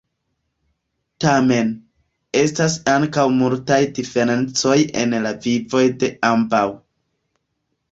Tamen, estas ankaŭ multaj diferencoj en la vivoj de ambaŭ.